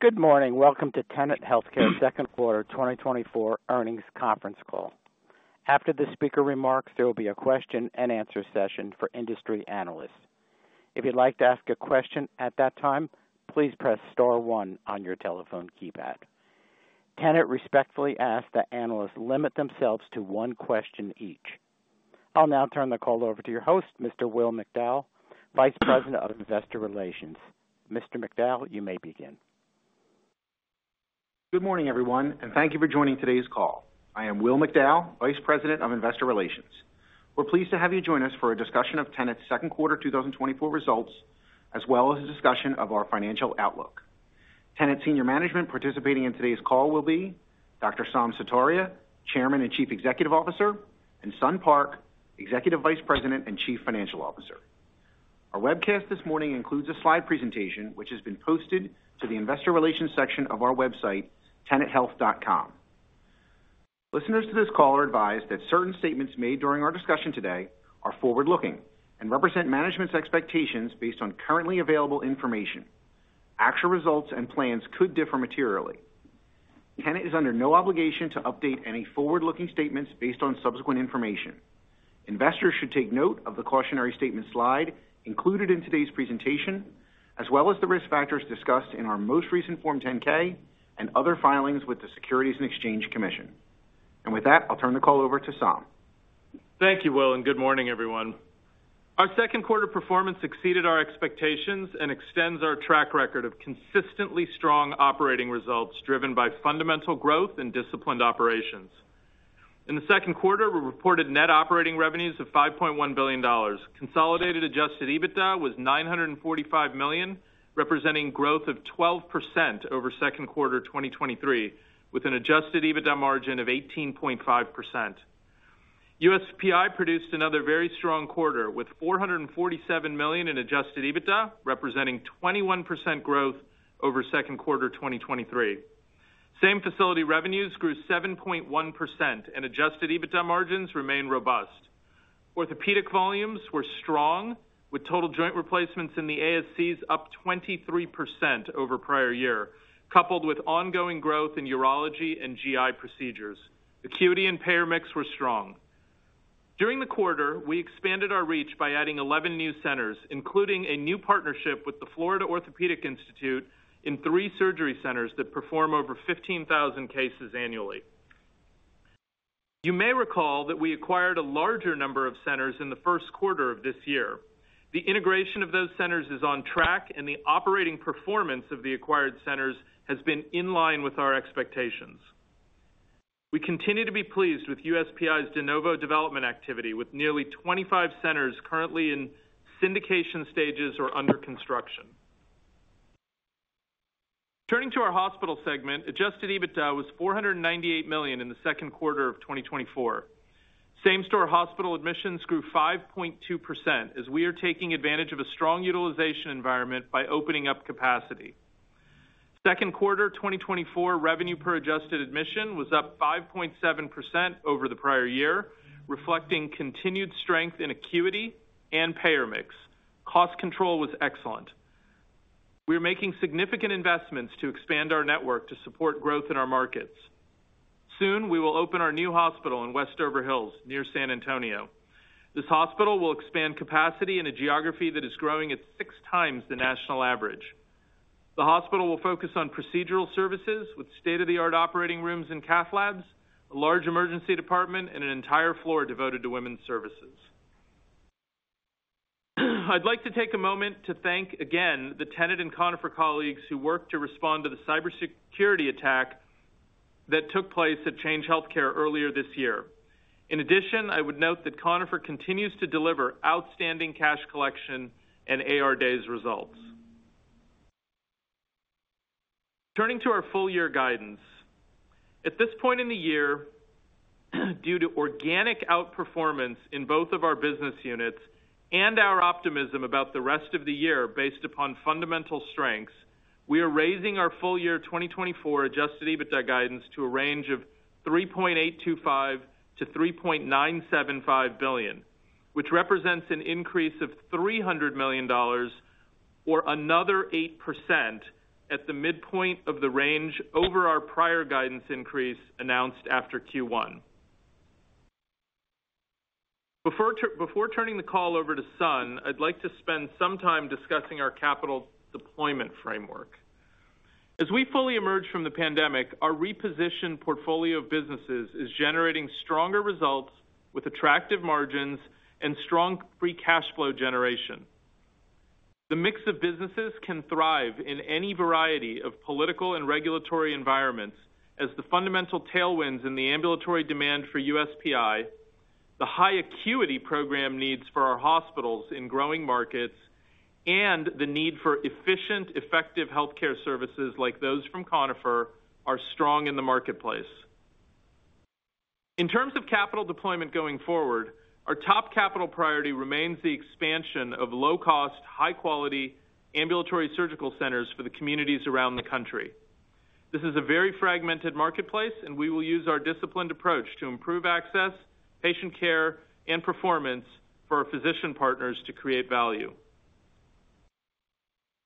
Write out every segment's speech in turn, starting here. Good morning. Welcome to Tenet Healthcare Second Quarter 2024 Earnings Conference Call. After the speaker remarks, there will be a question-and-answer session for industry analysts. If you'd like to ask a question at that time, please press star one on your telephone keypad. Tenet respectfully asks that analysts limit themselves to one question each. I'll now turn the call over to your host, Mr. Will McDowell, Vice President of Investor Relations. Mr. McDowell, you may begin. Good morning, everyone, and thank you for joining today's call. I am Will McDowell, Vice President of Investor Relations. We're pleased to have you join us for a discussion of Tenet's Second Quarter 2024 results, as well as a discussion of our financial outlook. Tenet Senior Management participating in today's call will be Dr. Saum Sutaria, Chairman and Chief Executive Officer, and Sun Park, Executive Vice President and Chief Financial Officer. Our webcast this morning includes a slide presentation, which has been posted to the Investor Relations section of our website, tenethealth.com. Listeners to this call are advised that certain statements made during our discussion today are forward-looking and represent management's expectations based on currently available information. Actual results and plans could differ materially. Tenet is under no obligation to update any forward-looking statements based on subsequent information. Investors should take note of the cautionary statement slide included in today's presentation, as well as the risk factors discussed in our most recent Form 10-K and other filings with the Securities and Exchange Commission. With that, I'll turn the call over to Saum. Thank you, Will, and good morning, everyone. Our second quarter performance exceeded our expectations and extends our track record of consistently strong operating results driven by fundamental growth and disciplined operations. In the second quarter, we reported net operating revenues of $5.1 billion. Consolidated Adjusted EBITDA was $945 million, representing growth of 12% over second quarter 2023, with an Adjusted EBITDA margin of 18.5%. USPI produced another very strong quarter with $447 million in Adjusted EBITDA, representing 21% growth over second quarter 2023. Same facility revenues grew 7.1%, and Adjusted EBITDA margins remain robust. Orthopedic volumes were strong, with total joint replacements in the ASCs up 23% over prior year, coupled with ongoing growth in urology and GI procedures. Acuity and payer mix were strong. During the quarter, we expanded our reach by adding 11 new centers, including a new partnership with the Florida Orthopaedic Institute in three surgery centers that perform over 15,000 cases annually. You may recall that we acquired a larger number of centers in the first quarter of this year. The integration of those centers is on track, and the operating performance of the acquired centers has been in line with our expectations. We continue to be pleased with USPI's de novo development activity, with nearly 25 centers currently in syndication stages or under construction. Turning to our hospital segment, Adjusted EBITDA was $498 million in the second quarter of 2024. Same-store hospital admissions grew 5.2% as we are taking advantage of a strong utilization environment by opening up capacity. Second quarter 2024 revenue per adjusted admission was up 5.7% over the prior year, reflecting continued strength in acuity and payer mix. Cost control was excellent. We are making significant investments to expand our network to support growth in our markets. Soon, we will open our new hospital in Westover Hills, near San Antonio. This hospital will expand capacity in a geography that is growing at six times the national average. The hospital will focus on procedural services with state-of-the-art operating rooms and cath labs, a large emergency department, and an entire floor devoted to women's services. I'd like to take a moment to thank again the Tenet and Conifer colleagues who worked to respond to the cybersecurity attack that took place at Change Healthcare earlier this year. In addition, I would note that Conifer continues to deliver outstanding cash collection and AR days results. Turning to our full-year guidance, at this point in the year, due to organic outperformance in both of our business units and our optimism about the rest of the year based upon fundamental strengths, we are raising our full-year 2024 Adjusted EBITDA guidance to a range of $3.825 billion-$3.975 billion, which represents an increase of $300 million or another 8% at the midpoint of the range over our prior guidance increase announced after Q1. Before turning the call over to Sun, I'd like to spend some time discussing our capital deployment framework. As we fully emerge from the pandemic, our repositioned portfolio of businesses is generating stronger results with attractive margins and strong free cash flow generation. The mix of businesses can thrive in any variety of political and regulatory environments as the fundamental tailwinds in the ambulatory demand for USPI, the high acuity program needs for our hospitals in growing markets, and the need for efficient, effective healthcare services like those from Conifer are strong in the marketplace. In terms of capital deployment going forward, our top capital priority remains the expansion of low-cost, high-quality ambulatory surgical centers for the communities around the country. This is a very fragmented marketplace, and we will use our disciplined approach to improve access, patient care, and performance for our physician partners to create value.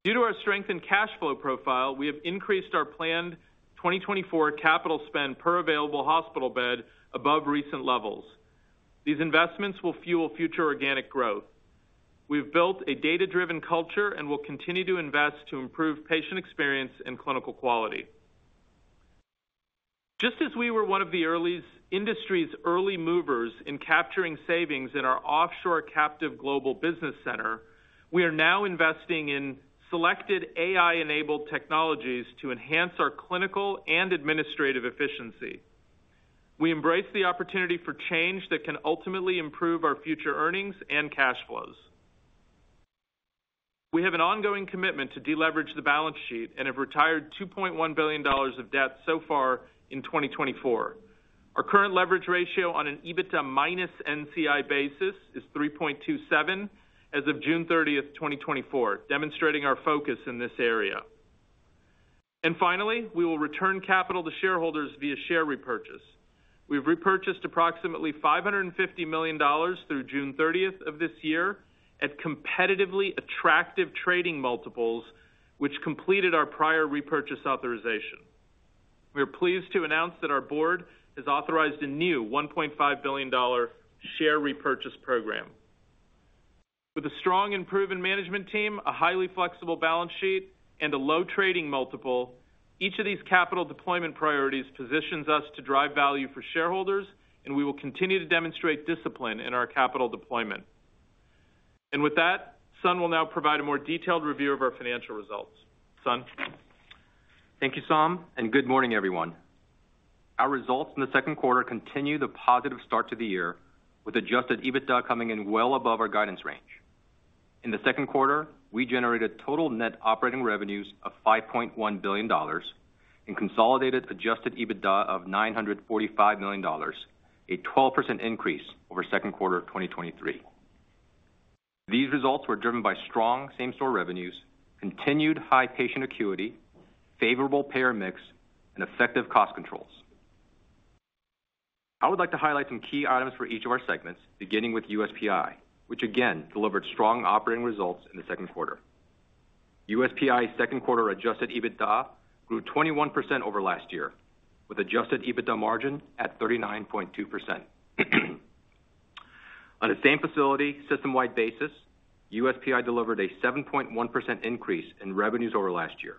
Due to our strengthened cash flow profile, we have increased our planned 2024 capital spend per available hospital bed above recent levels. These investments will fuel future organic growth. We've built a data-driven culture and will continue to invest to improve patient experience and clinical quality. Just as we were one of the industry's early movers in capturing savings in our offshore captive Global Business Center, we are now investing in selected AI-enabled technologies to enhance our clinical and administrative efficiency. We embrace the opportunity for change that can ultimately improve our future earnings and cash flows. We have an ongoing commitment to deleverage the balance sheet and have retired $2.1 billion of debt so far in 2024. Our current leverage ratio on an EBITDA minus NCI basis is 3.27 as of June 30th, 2024, demonstrating our focus in this area. And finally, we will return capital to shareholders via share repurchase. We've repurchased approximately $550 million through June 30th of this year at competitively attractive trading multiples, which completed our prior repurchase authorization. We are pleased to announce that our board has authorized a new $1.5 billion share repurchase program. With a strong and proven management team, a highly flexible balance sheet, and a low trading multiple, each of these capital deployment priorities positions us to drive value for shareholders, and we will continue to demonstrate discipline in our capital deployment. With that, Sun will now provide a more detailed review of our financial results. Sun. Thank you, Saum, and good morning, everyone. Our results in the second quarter continue the positive start to the year, with Adjusted EBITDA coming in well above our guidance range. In the second quarter, we generated total net operating revenues of $5.1 billion and consolidated Adjusted EBITDA of $945 million, a 12% increase over second quarter of 2023. These results were driven by strong same-store revenues, continued high patient acuity, favorable payer mix, and effective cost controls. I would like to highlight some key items for each of our segments, beginning with USPI, which again delivered strong operating results in the second quarter. USPI's second quarter Adjusted EBITDA grew 21% over last year, with Adjusted EBITDA margin at 39.2%. On a same facility system-wide basis, USPI delivered a 7.1% increase in revenues over last year,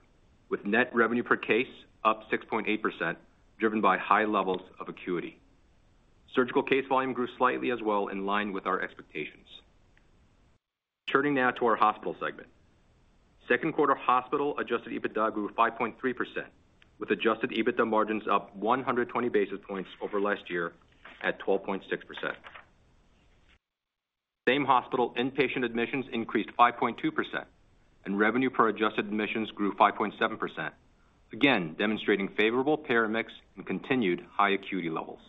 with net revenue per case up 6.8%, driven by high levels of acuity. Surgical case volume grew slightly as well, in line with our expectations. Turning now to our hospital segment, second quarter hospital Adjusted EBITDA grew 5.3%, with Adjusted EBITDA margins up 120 basis points over last year at 12.6%. Same hospital inpatient admissions increased 5.2%, and revenue per adjusted admissions grew 5.7%, again demonstrating favorable payer mix and continued high acuity levels.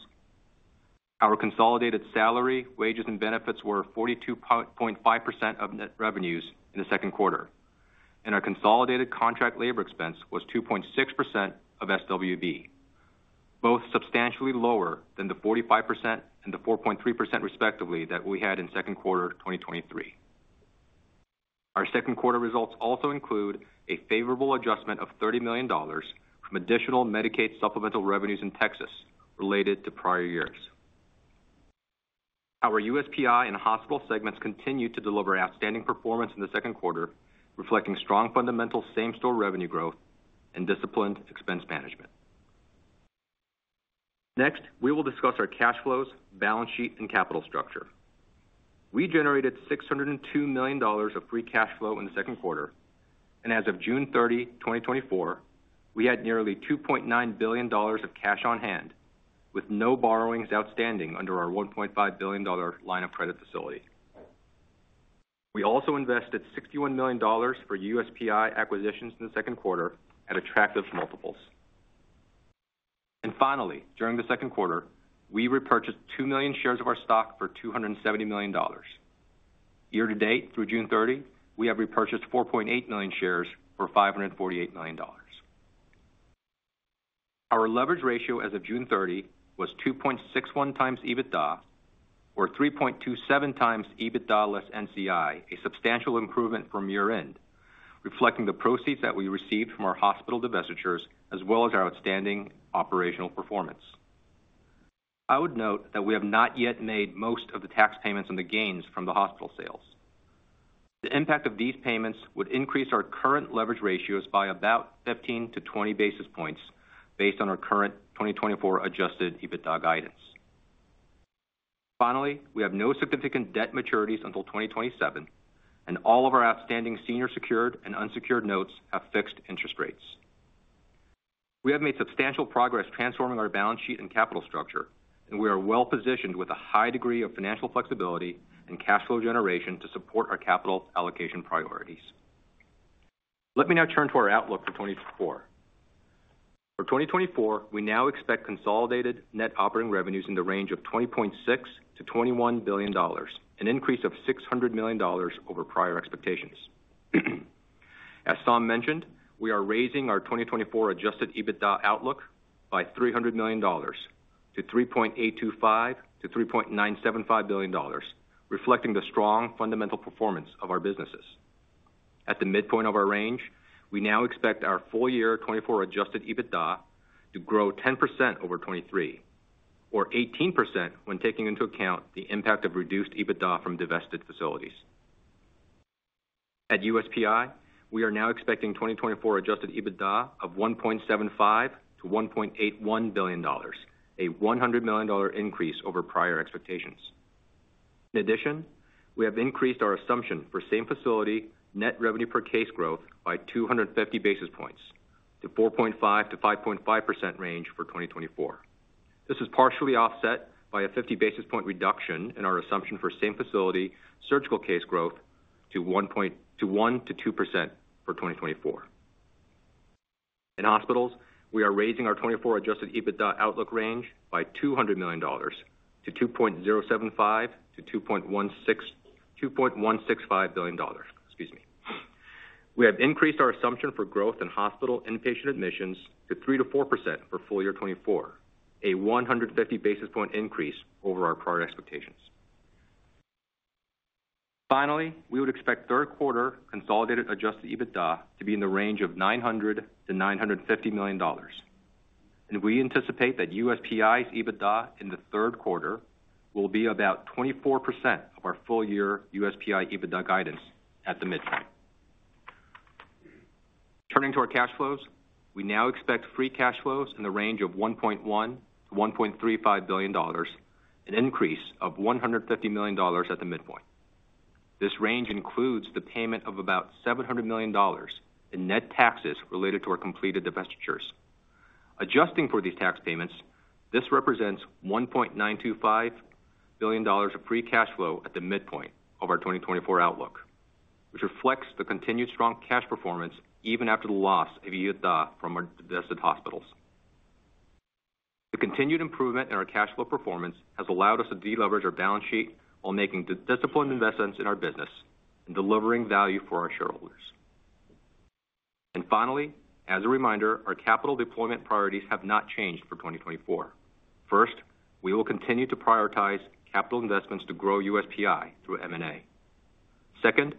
Our consolidated salary, wages, and benefits were 42.5% of net revenues in the second quarter, and our consolidated contract labor expense was 2.6% of SWB, both substantially lower than the 45% and the 4.3% respectively that we had in second quarter 2023. Our second quarter results also include a favorable adjustment of $30 million from additional Medicaid supplemental revenues in Texas related to prior years. Our USPI and hospital segments continue to deliver outstanding performance in the second quarter, reflecting strong fundamental same-store revenue growth and disciplined expense management. Next, we will discuss our cash flows, balance sheet, and capital structure. We generated $602 million of free cash flow in the second quarter, and as of June 30th, 2024, we had nearly $2.9 billion of cash on hand, with no borrowings outstanding under our $1.5 billion line of credit facility. We also invested $61 million for USPI acquisitions in the second quarter at attractive multiples. Finally, during the second quarter, we repurchased 2 million shares of our stock for $270 million. Year-to-date, through June 30, we have repurchased 4.8 million shares for $548 million. Our leverage ratio as of June 30 was 2.61x EBITDA, or 3.27x EBITDA less NCI, a substantial improvement from year-end, reflecting the proceeds that we received from our hospital divestitures as well as our outstanding operational performance. I would note that we have not yet made most of the tax payments on the gains from the hospital sales. The impact of these payments would increase our current leverage ratios by about 15-20 basis points based on our current 2024 Adjusted EBITDA guidance. Finally, we have no significant debt maturities until 2027, and all of our outstanding senior secured and unsecured notes have fixed interest rates. We have made substantial progress transforming our balance sheet and capital structure, and we are well positioned with a high degree of financial flexibility and cash flow generation to support our capital allocation priorities. Let me now turn to our outlook for 2024. For 2024, we now expect consolidated net operating revenues in the range of $20.6 billion-$21 billion, an increase of $600 million over prior expectations. As Saum mentioned, we are raising our 2024 Adjusted EBITDA outlook by $300 million to $3.825 billion-$3.975 billion, reflecting the strong fundamental performance of our businesses. At the midpoint of our range, we now expect our full-year 2024 Adjusted EBITDA to grow 10% over 2023, or 18% when taking into account the impact of reduced EBITDA from divested facilities. At USPI, we are now expecting 2024 Adjusted EBITDA of $1.75 billion-$1.81 billion, a $100 million increase over prior expectations. In addition, we have increased our assumption for same facility net revenue per case growth by 250 basis points to 4.5%-5.5% range for 2024. This is partially offset by a 50 basis point reduction in our assumption for same facility surgical case growth to 1%-2% for 2024. In hospitals, we are raising our 2024 Adjusted EBITDA outlook range by $200 million to $2.075 billion-$2.165 billion. Excuse me. We have increased our assumption for growth in hospital inpatient admissions to 3%-4% for full-year 2024, a 150 basis point increase over our prior expectations. Finally, we would expect third quarter consolidated Adjusted EBITDA to be in the range of $900 million-$950 million. And we anticipate that USPI's EBITDA in the third quarter will be about 24% of our full-year USPI EBITDA guidance at the midpoint. Turning to our cash flows, we now expect free cash flows in the range of $1.1 billion-$1.35 billion, an increase of $150 million at the midpoint. This range includes the payment of about $700 million in net taxes related to our completed divestitures. Adjusting for these tax payments, this represents $1.925 billion of free cash flow at the midpoint of our 2024 outlook, which reflects the continued strong cash performance even after the loss of EBITDA from our divested hospitals. The continued improvement in our cash flow performance has allowed us to deleverage our balance sheet while making disciplined investments in our business and delivering value for our shareholders. Finally, as a reminder, our capital deployment priorities have not changed for 2024. First, we will continue to prioritize capital investments to grow USPI through M&A. Second,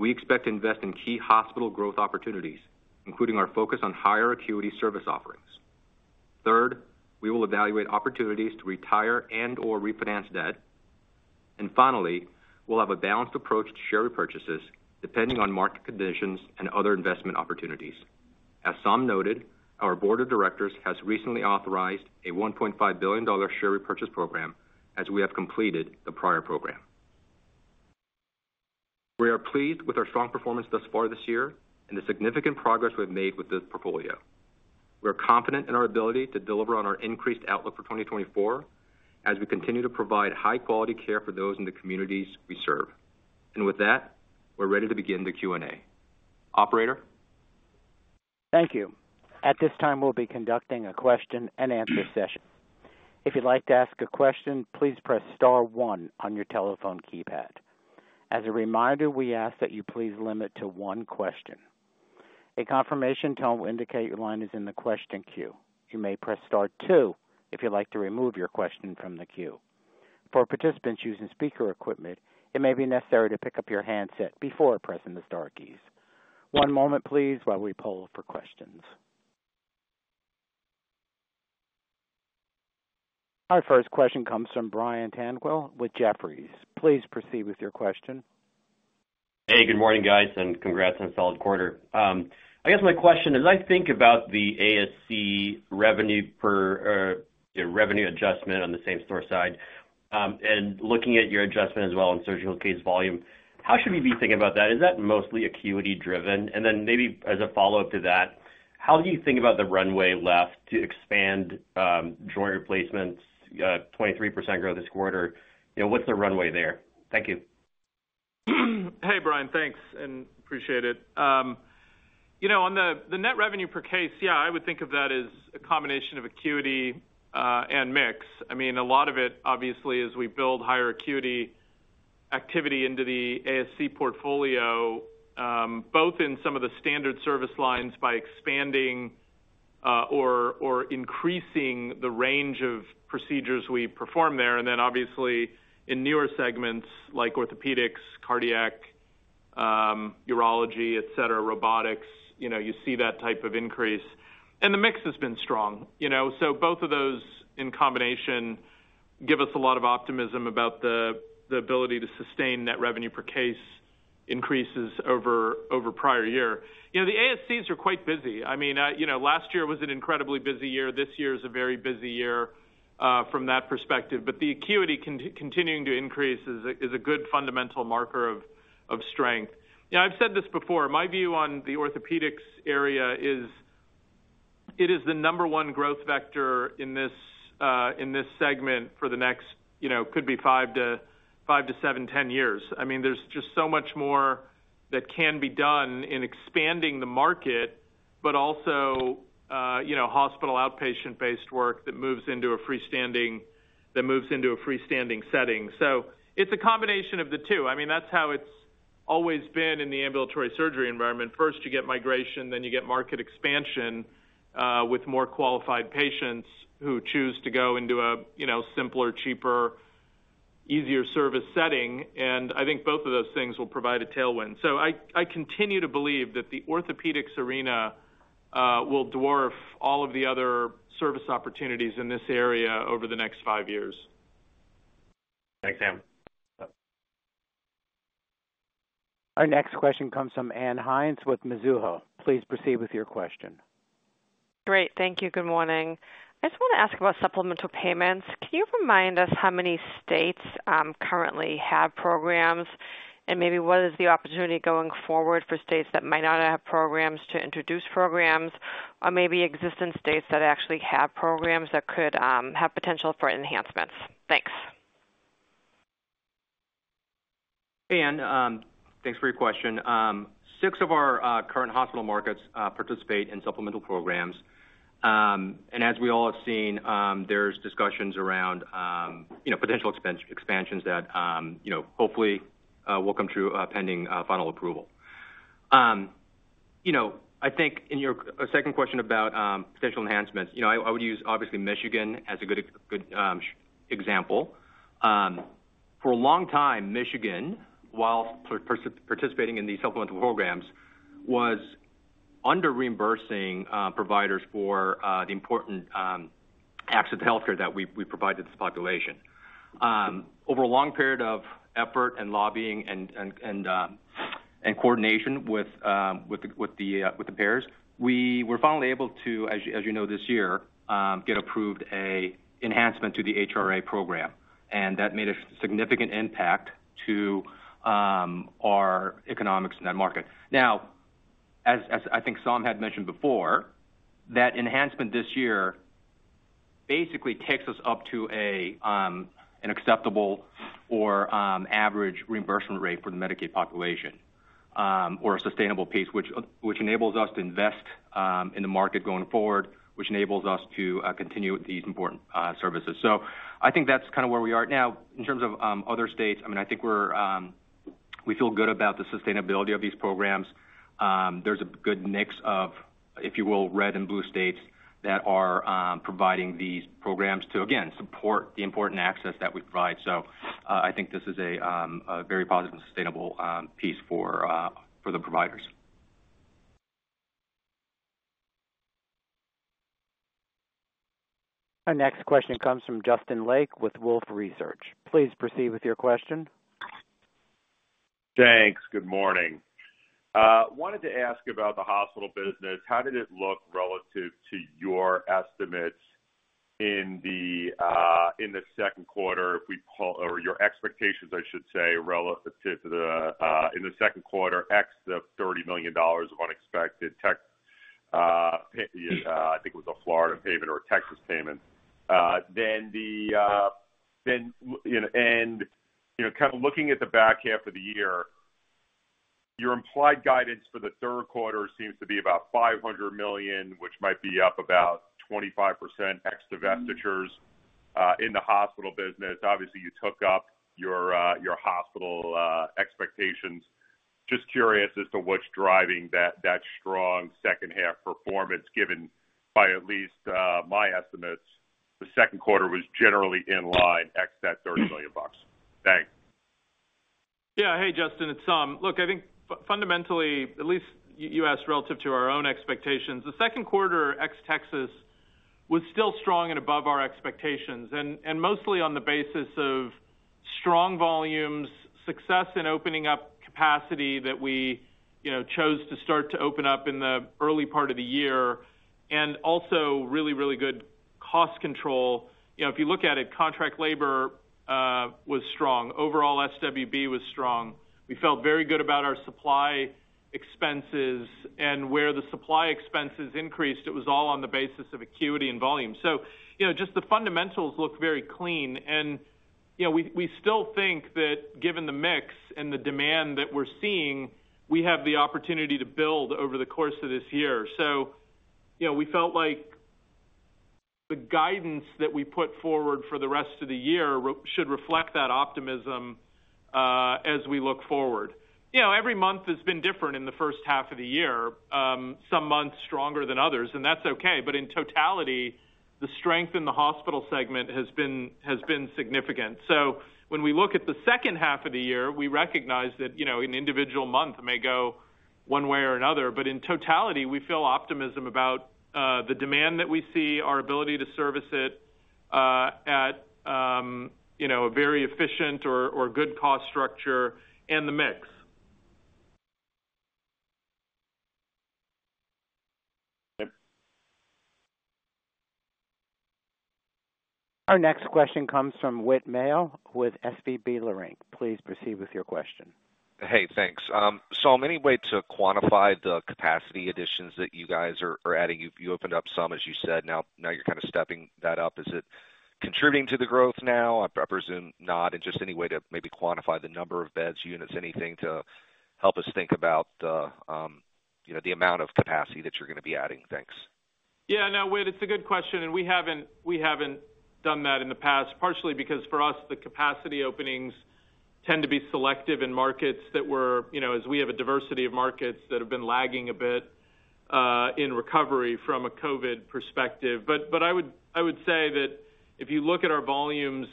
we expect to invest in key hospital growth opportunities, including our focus on higher acuity service offerings. Third, we will evaluate opportunities to retire and/or refinance debt. Finally, we'll have a balanced approach to share repurchases depending on market conditions and other investment opportunities. As Saum noted, our board of directors has recently authorized a $1.5 billion share repurchase program as we have completed the prior program. We are pleased with our strong performance thus far this year and the significant progress we have made with this portfolio. We are confident in our ability to deliver on our increased outlook for 2024 as we continue to provide high-quality care for those in the communities we serve. With that, we're ready to begin the Q&A. Operator. Thank you. At this time, we'll be conducting a question and answer session. If you'd like to ask a question, please press Star 1 on your telephone keypad. As a reminder, we ask that you please limit to one question. A confirmation tone will indicate your line is in the question queue. You may press Star 2 if you'd like to remove your question from the queue. For participants using speaker equipment, it may be necessary to pick up your handset before pressing the Star keys. One moment, please, while we poll for questions. Our first question comes from Brian Tanquilut with Jefferies. Please proceed with your question. Hey, good morning, guys, and congrats on solid quarter. I guess my question is, I think about the ASC revenue for revenue adjustment on the same-store side and looking at your adjustment as well in surgical case volume. How should we be thinking about that? Is that mostly acuity-driven? And then maybe as a follow-up to that, how do you think about the runway left to expand joint replacements, 23% growth this quarter? What's the runway there? Thank you. Hey, Brian, thanks, and appreciate it. You know, on the net revenue per case, yeah, I would think of that as a combination of acuity and mix. I mean, a lot of it, obviously, as we build higher acuity activity into the ASC portfolio, both in some of the standard service lines by expanding or increasing the range of procedures we perform there. And then, obviously, in newer segments like orthopedics, cardiac, urology, etc., robotics, you know, you see that type of increase. And the mix has been strong. You know, so both of those in combination give us a lot of optimism about the ability to sustain net revenue per case increases over prior year. You know, the ASCs are quite busy. I mean, you know, last year was an incredibly busy year. This year is a very busy year from that perspective. But the acuity continuing to increase is a good fundamental marker of strength. You know, I've said this before. My view on the orthopedics area is it is the number one growth vector in this segment for the next, you know, could be 5-7, 10 years. I mean, there's just so much more that can be done in expanding the market, but also, you know, hospital outpatient-based work that moves into a freestanding setting. So it's a combination of the two. I mean, that's how it's always been in the ambulatory surgery environment. First, you get migration, then you get market expansion with more qualified patients who choose to go into a simpler, cheaper, easier service setting. And I think both of those things will provide a tailwind. I continue to believe that the orthopedics arena will dwarf all of the other service opportunities in this area over the next five years. Thanks, Saum. Our next question comes from Ann Hynes with Mizuho. Please proceed with your question. Great. Thank you. Good morning. I just want to ask about supplemental payments. Can you remind us how many states currently have programs and maybe what is the opportunity going forward for states that might not have programs to introduce programs or maybe existing states that actually have programs that could have potential for enhancements? Thanks. Thanks for your question. Six of our current hospital markets participate in supplemental programs. As we all have seen, there's discussions around, you know, potential expansions that, you know, hopefully will come true pending final approval. You know, I think in your second question about potential enhancements, you know, I would use obviously Michigan as a good example. For a long time, Michigan, while participating in these supplemental programs, was under-reimbursing providers for the important access to healthcare that we provide to this population. Over a long period of effort and lobbying and coordination with the payers, we were finally able to, as you know, this year, get approved an enhancement to the HRA program. That made a significant impact to our economics in that market. Now, as I think Saum had mentioned before, that enhancement this year basically takes us up to an acceptable or average reimbursement rate for the Medicaid population or a sustainable piece, which enables us to invest in the market going forward, which enables us to continue with these important services. So I think that's kind of where we are now. In terms of other states, I mean, I think we feel good about the sustainability of these programs. There's a good mix of, if you will, red and blue states that are providing these programs to, again, support the important access that we provide. So I think this is a very positive and sustainable piece for the providers. Our next question comes from Justin Lake with Wolfe Research. Please proceed with your question. Thanks. Good morning. Wanted to ask about the hospital business. How did it look relative to your estimates in the second quarter, or your expectations, I should say, relative to the in the second quarter, ex the $30 million of unexpected tech, I think it was a Florida payment or a Texas payment. Then you know, and you know, kind of looking at the back half of the year, your implied guidance for the third quarter seems to be about $500 million, which might be up about 25% ex divestitures in the hospital business. Obviously, you took up your hospital expectations. Just curious as to what's driving that strong second-half performance, given by at least my estimates, the second quarter was generally in line ex that $30 million bucks. Thanks. Yeah. Hey, Justin, it's Saum. Look, I think fundamentally, at least you asked relative to our own expectations, the second quarter ex Texas was still strong and above our expectations, and mostly on the basis of strong volumes, success in opening up capacity that we, you know, chose to start to open up in the early part of the year, and also really, really good cost control. You know, if you look at it, contract labor was strong. Overall, SWB was strong. We felt very good about our supply expenses. And where the supply expenses increased, it was all on the basis of acuity and volume. So, you know, just the fundamentals look very clean. And, you know, we still think that given the mix and the demand that we're seeing, we have the opportunity to build over the course of this year. So, you know, we felt like the guidance that we put forward for the rest of the year should reflect that optimism as we look forward. You know, every month has been different in the first half of the year, some months stronger than others, and that's okay. But in totality, the strength in the hospital segment has been significant. So when we look at the second half of the year, we recognize that, you know, an individual month may go one way or another. But in totality, we feel optimism about the demand that we see, our ability to service it at, you know, a very efficient or good cost structure and the mix. Okay. Our next question comes from Whit Mayo with Leerink Partners. Please proceed with your question. Hey, thanks. Saum, any way to quantify the capacity additions that you guys are adding? You opened up some, as you said. Now you're kind of stepping that up. Is it contributing to the growth now? I presume not. And just any way to maybe quantify the number of beds, units, anything to help us think about the, you know, the amount of capacity that you're going to be adding? Thanks. Yeah. No, Whit, it's a good question. And we haven't done that in the past, partially because for us, the capacity openings tend to be selective in markets that were, you know, as we have a diversity of markets that have been lagging a bit in recovery from a COVID perspective. But I would say that if you look at our volumes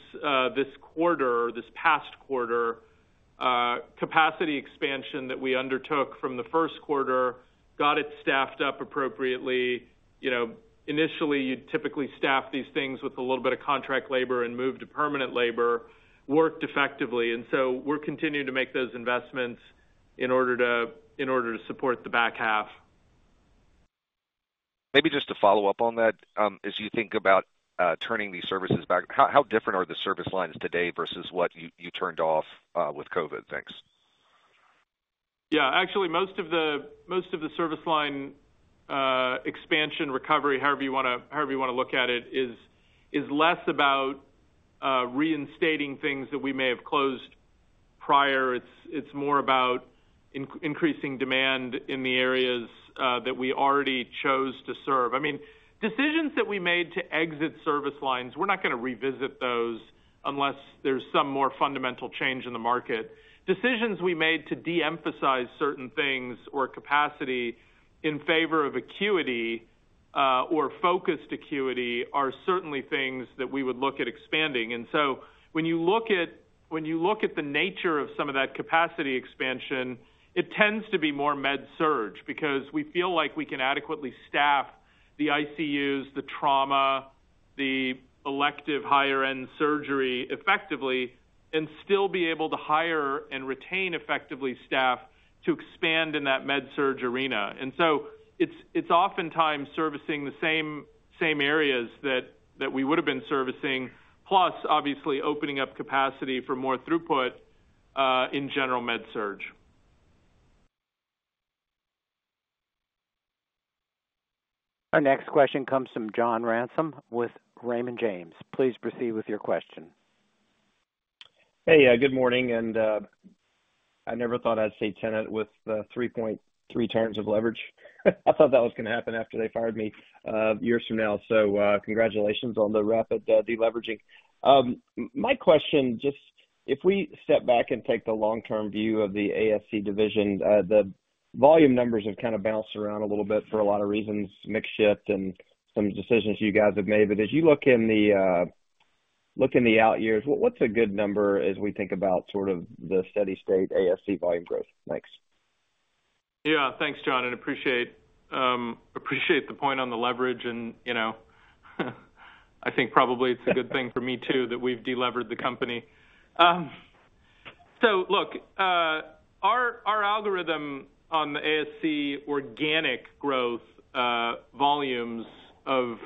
this quarter, this past quarter, capacity expansion that we undertook from the first quarter got it staffed up appropriately. You know, initially, you'd typically staff these things with a little bit of contract labor and move to permanent labor, worked effectively. And so we're continuing to make those investments in order to support the back half. Maybe just to follow up on that, as you think about turning these services back, how different are the service lines today versus what you turned off with COVID? Thanks. Yeah. Actually, most of the service line expansion, recovery, however you want to look at it, is less about reinstating things that we may have closed prior. It's more about increasing demand in the areas that we already chose to serve. I mean, decisions that we made to exit service lines, we're not going to revisit those unless there's some more fundamental change in the market. Decisions we made to de-emphasize certain things or capacity in favor of acuity or focused acuity are certainly things that we would look at expanding. And so when you look at the nature of some of that capacity expansion, it tends to be more med-surg because we feel like we can adequately staff the ICUs, the trauma, the elective higher-end surgery effectively, and still be able to hire and retain effectively staff to expand in that med-surg arena. And so it's oftentimes servicing the same areas that we would have been servicing, plus, obviously, opening up capacity for more throughput in general med-surg. Our next question comes from John Ransom with Raymond James. Please proceed with your question. Hey, good morning. I never thought I'd see Tenet with 3.3x of leverage. I thought that was going to happen after they fired me years from now. Congratulations on the rapid deleveraging. My question, just if we step back and take the long-term view of the ASC division, the volume numbers have kind of bounced around a little bit for a lot of reasons, mixed shift and some decisions you guys have made. As you look in the out years, what's a good number as we think about sort of the steady state ASC volume growth? Thanks. Yeah. Thanks, John. I appreciate the point on the leverage. And, you know, I think probably it's a good thing for me too that we've delevered the company. So look, our algorithm on the ASC organic growth volumes of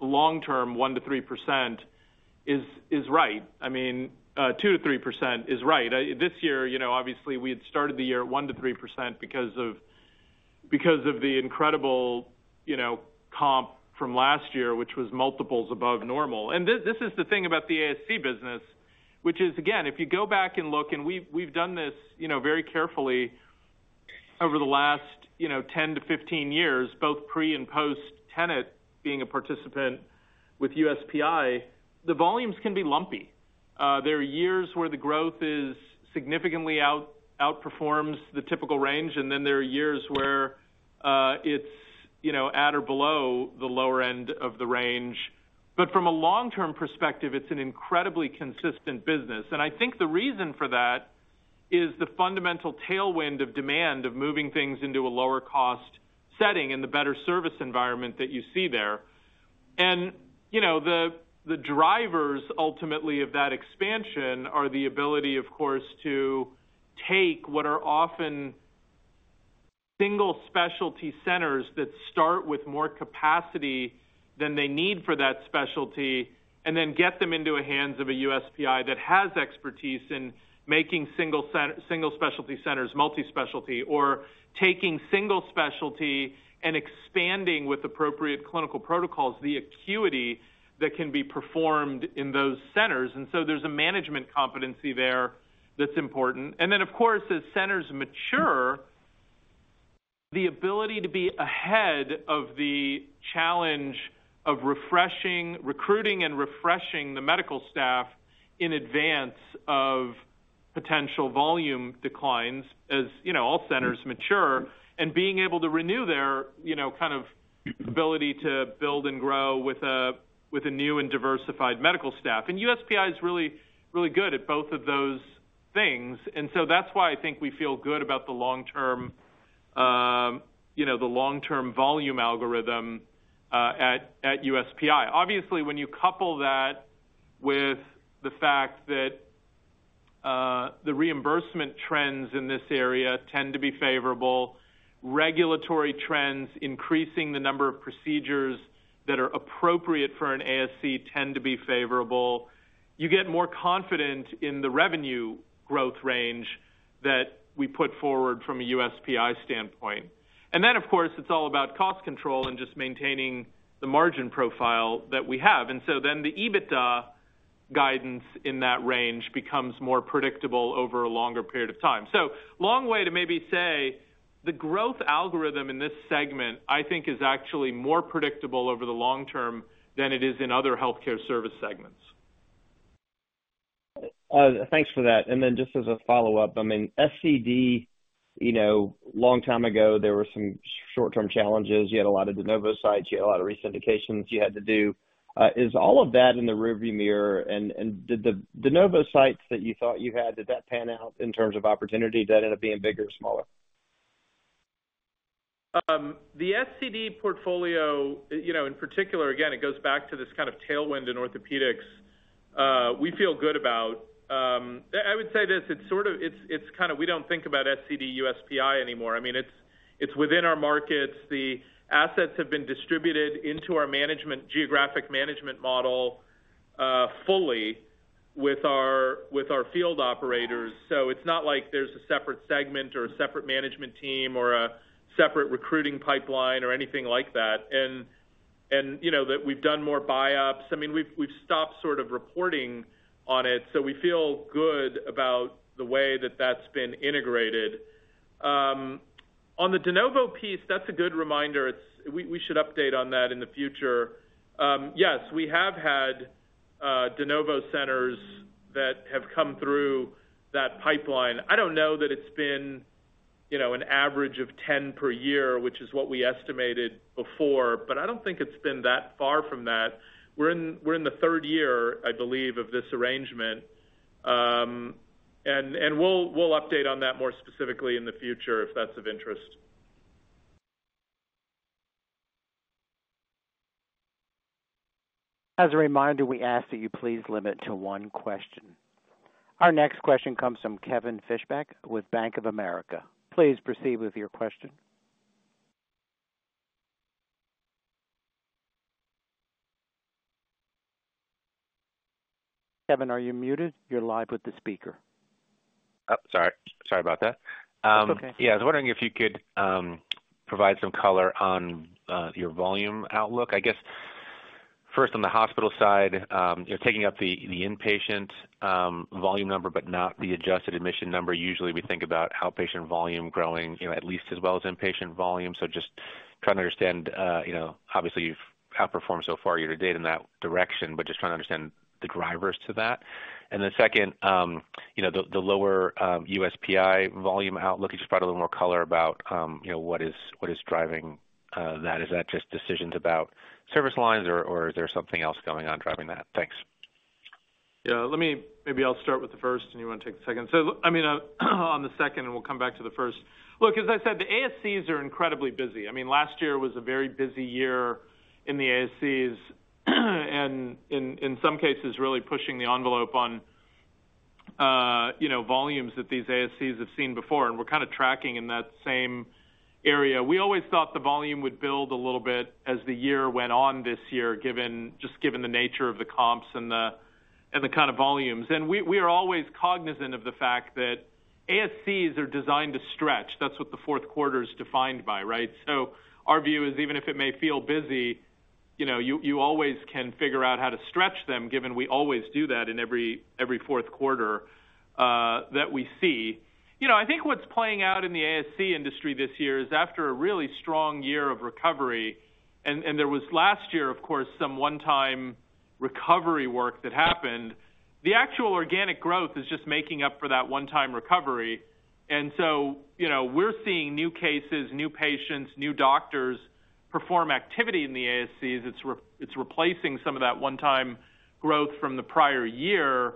long-term 1%-3% is right. I mean, 2%-3% is right. This year, you know, obviously, we had started the year at 1%-3% because of the incredible comp from last year, which was multiples above normal. And this is the thing about the ASC business, which is, again, if you go back and look, and we've done this very carefully over the last 10-15 years, both pre and post-Tenet being a participant with USPI, the volumes can be lumpy. There are years where the growth significantly outperforms the typical range, and then there are years where it's at or below the lower end of the range. But from a long-term perspective, it's an incredibly consistent business. And I think the reason for that is the fundamental tailwind of demand of moving things into a lower-cost setting and the better service environment that you see there. And, you know, the drivers ultimately of that expansion are the ability, of course, to take what are often single specialty centers that start with more capacity than they need for that specialty and then get them into the hands of a USPI that has expertise in making single specialty centers multi-specialty or taking single specialty and expanding with appropriate clinical protocols the acuity that can be performed in those centers. And so there's a management competency there that's important. Then, of course, as centers mature, the ability to be ahead of the challenge of recruiting and refreshing the medical staff in advance of potential volume declines as, you know, all centers mature and being able to renew their, you know, kind of ability to build and grow with a new and diversified medical staff. USPI is really, really good at both of those things. So that's why I think we feel good about the long-term, you know, the long-term volume algorithm at USPI. Obviously, when you couple that with the fact that the reimbursement trends in this area tend to be favorable, regulatory trends increasing the number of procedures that are appropriate for an ASC tend to be favorable, you get more confident in the revenue growth range that we put forward from a USPI standpoint. Then, of course, it's all about cost control and just maintaining the margin profile that we have. So then the EBITDA guidance in that range becomes more predictable over a longer period of time. Long way to maybe say the growth algorithm in this segment, I think, is actually more predictable over the long term than it is in other healthcare service segments. Thanks for that. And then just as a follow-up, I mean, SCD, you know, long time ago, there were some short-term challenges. You had a lot of de novo sites. You had a lot of re-syndications you had to do. Is all of that in the rearview mirror? And did the de novo sites that you thought you had, did that pan out in terms of opportunity? Did that end up being bigger or smaller? The SCD portfolio, you know, in particular, again, it goes back to this kind of tailwind in orthopedics we feel good about. I would say this. It's sort of, it's kind of, we don't think about SCD USPI anymore. I mean, it's within our markets. The assets have been distributed into our geographic management model fully with our field operators. So it's not like there's a separate segment or a separate management team or a separate recruiting pipeline or anything like that. And, you know, that we've done more buy-ups. I mean, we've stopped sort of reporting on it. So we feel good about the way that that's been integrated. On the de novo piece, that's a good reminder. We should update on that in the future. Yes, we have had de novo centers that have come through that pipeline. I don't know that it's been, you know, an average of 10 per year, which is what we estimated before, but I don't think it's been that far from that. We're in the third year, I believe, of this arrangement. We'll update on that more specifically in the future if that's of interest. As a reminder, we ask that you please limit to one question. Our next question comes from Kevin Fischbeck with Bank of America. Please proceed with your question. Kevin, are you muted? You're live with the speaker. Sorry. Sorry about that. It's okay. Yeah. I was wondering if you could provide some color on your volume outlook. I guess, first, on the hospital side, you're taking up the inpatient volume number, but not the adjusted admission number. Usually, we think about outpatient volume growing, you know, at least as well as inpatient volume. So just trying to understand, you know, obviously, you've outperformed so far year to date in that direction, but just trying to understand the drivers to that. And then second, you know, the lower USPI volume outlook, could you provide a little more color about, you know, what is driving that? Is that just decisions about service lines, or is there something else going on driving that? Thanks. Yeah. Let me maybe I'll start with the first, and you want to take the second. So, I mean, on the second, and we'll come back to the first. Look, as I said, the ASCs are incredibly busy. I mean, last year was a very busy year in the ASCs and, in some cases, really pushing the envelope on, you know, volumes that these ASCs have seen before. And we're kind of tracking in that same area. We always thought the volume would build a little bit as the year went on this year, just given the nature of the comps and the kind of volumes. And we are always cognizant of the fact that ASCs are designed to stretch. That's what the fourth quarter is defined by, right? So our view is, even if it may feel busy, you know, you always can figure out how to stretch them, given we always do that in every fourth quarter that we see. You know, I think what's playing out in the ASC industry this year is, after a really strong year of recovery, and there was last year, of course, some one-time recovery work that happened, the actual organic growth is just making up for that one-time recovery. And so, you know, we're seeing new cases, new patients, new doctors perform activity in the ASCs. It's replacing some of that one-time growth from the prior year.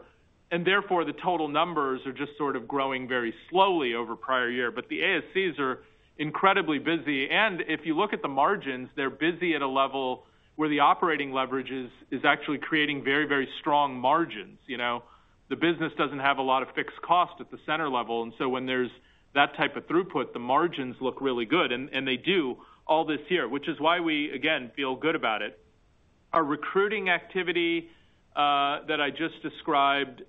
And therefore, the total numbers are just sort of growing very slowly over prior year. But the ASCs are incredibly busy. And if you look at the margins, they're busy at a level where the operating leverage is actually creating very, very strong margins. You know, the business doesn't have a lot of fixed cost at the center level. And so when there's that type of throughput, the margins look really good. And they do all this year, which is why we, again, feel good about it. Our recruiting activity that I just described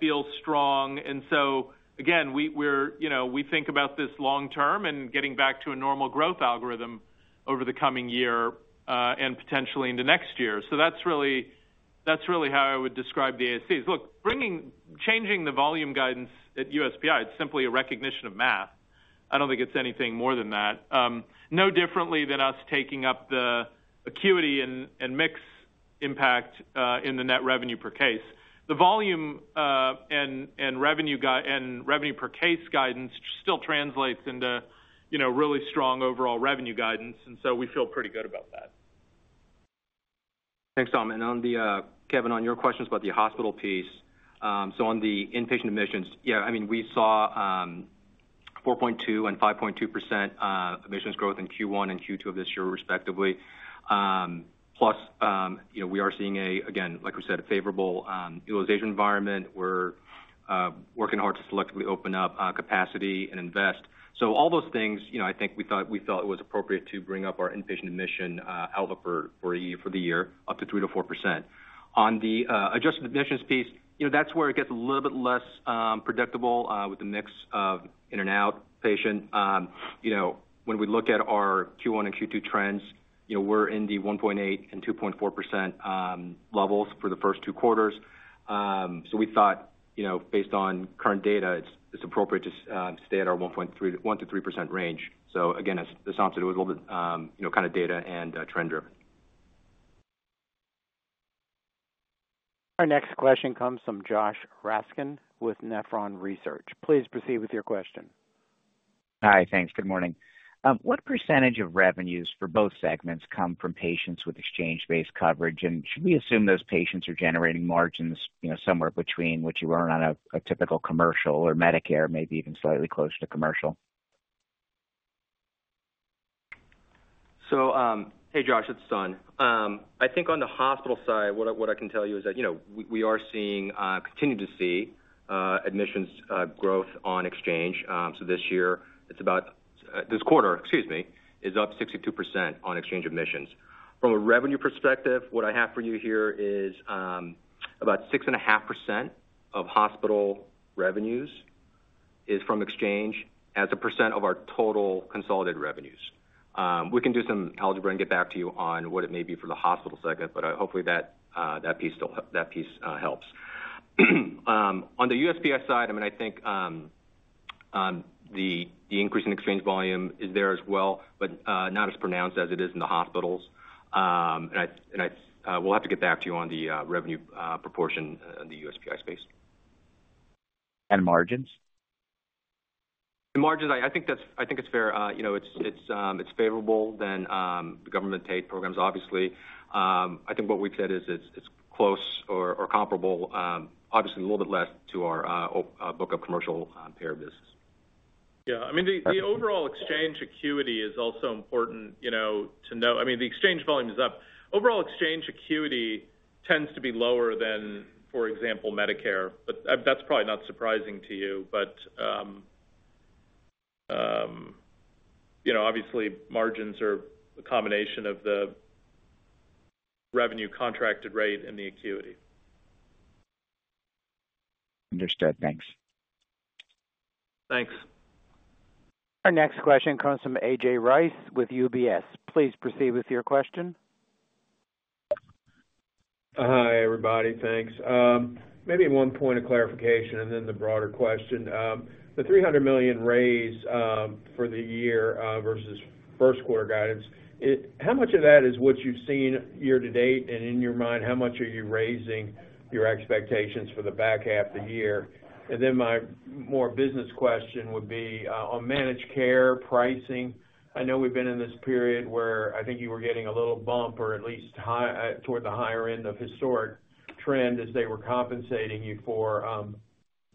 feels strong. And so, again, we're, you know, we think about this long term and getting back to a normal growth algorithm over the coming year and potentially into next year. So that's really how I would describe the ASCs. Look, changing the volume guidance at USPI, it's simply a recognition of math. I don't think it's anything more than that. No differently than us taking up the acuity and mixed impact in the net revenue per case. The volume and revenue per case guidance still translates into, you know, really strong overall revenue guidance. And so we feel pretty good about that. Thanks, Saum. And on the, Kevin, on your questions about the hospital piece, so on the inpatient admissions, yeah, I mean, we saw 4.2% and 5.2% admissions growth in Q1 and Q2 of this year, respectively. Plus, you know, we are seeing a, again, like we said, a favorable utilization environment. We're working hard to selectively open up capacity and invest. So all those things, you know, I think we thought it was appropriate to bring up our inpatient admission outlook for the year up to 3%-4%. On the adjusted admissions piece, you know, that's where it gets a little bit less predictable with the mix of in and out patient. You know, when we look at our Q1 and Q2 trends, you know, we're in the 1.8% and 2.4% levels for the first two quarters. So we thought, you know, based on current data, it's appropriate to stay at our 1%-3% range. So, again, as Saum said, it was a little bit, you know, kind of data and trend-driven. Our next question comes from Josh Raskin with Nephron Research. Please proceed with your question. Hi. Thanks. Good morning. What percentage of revenues for both segments come from patients with exchange-based coverage? And should we assume those patients are generating margins, you know, somewhere between what you earn on a typical commercial or Medicare, maybe even slightly closer to commercial? So, hey, Josh. It's Sun. I think on the hospital side, what I can tell you is that, you know, we are seeing, continue to see admissions growth on exchange. So this year, it's about this quarter, excuse me, is up 62% on exchange admissions. From a revenue perspective, what I have for you here is about 6.5% of hospital revenues is from exchange as a percent of our total consolidated revenues. We can do some algebra and get back to you on what it may be for the hospital segment, but hopefully that piece helps. On the USPI side, I mean, I think the increase in exchange volume is there as well, but not as pronounced as it is in the hospitals. And we'll have to get back to you on the revenue proportion in the USPI space. And margins? The margins, I think that's fair. You know, it's favorable than the government-paid programs, obviously. I think what we've said is it's close or comparable, obviously a little bit less to our book of commercial payer business. Yeah. I mean, the overall exchange acuity is also important, you know, to know. I mean, the exchange volume is up. Overall exchange acuity tends to be lower than, for example, Medicare. But that's probably not surprising to you. But, you know, obviously, margins are a combination of the revenue contracted rate and the acuity. Understood. Thanks. Thanks. Our next question comes from A.J. Rice with UBS. Please proceed with your question. Hi, everybody. Thanks. Maybe one point of clarification and then the broader question. The $300 million raise for the year versus first quarter guidance, how much of that is what you've seen year to date? And in your mind, how much are you raising your expectations for the back half of the year? And then my more business question would be on managed care pricing. I know we've been in this period where I think you were getting a little bump or at least toward the higher end of historic trend as they were compensating you for